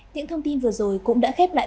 những thông tin vừa rồi cũng đã khép lại